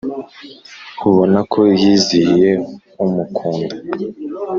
ubona ko yizihiye umukunda